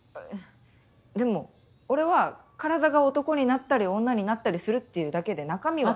でも俺は体が男になったり女になったりするっていうだけで中身は。